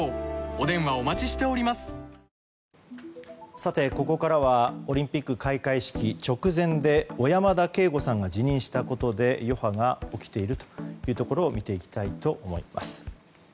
さて、ここからはオリンピック開会式直前で小山田圭吾さんが辞任したことで余波が起きているというところを見ていきたいと思います。